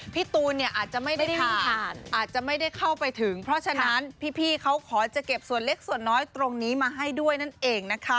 พี่ตูนเนี่ยอาจจะไม่ได้วิ่งผ่านอาจจะไม่ได้เข้าไปถึงเพราะฉะนั้นพี่เขาขอจะเก็บส่วนเล็กส่วนน้อยตรงนี้มาให้ด้วยนั่นเองนะคะ